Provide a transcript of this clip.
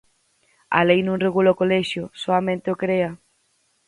A lei non regula o colexio, soamente o crea.